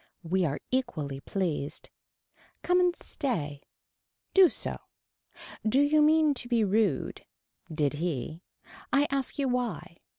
We are equally pleased. Come and stay. Do so. Do you mean to be rude. Did he. I ask you why.